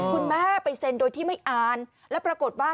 คุณแม่ไปเซ็นโดยที่ไม่อ่านแล้วปรากฏว่า